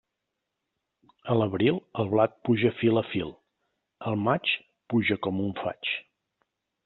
A l'abril, el blat puja fil a fil; al maig, puja com un faig.